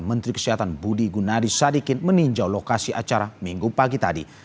menteri kesehatan budi gunadi sadikin meninjau lokasi acara minggu pagi tadi